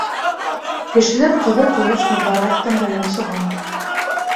Кешеләр ҡыҙыу ҡояш нурҙары аҫтында йонсоған.